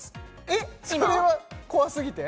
えっそれは怖すぎて？